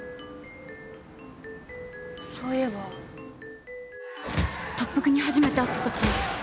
そういえば特服に初めて会ったとき。